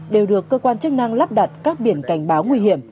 đều được cơ quan chức năng lắp đặt các biển cảnh báo nguy hiểm